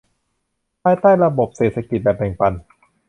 ภายใต้ระบบเศรษฐกิจแบบแบ่งปัน